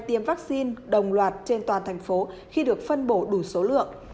tiêm vaccine đồng loạt trên toàn thành phố khi được phân bổ đủ số lượng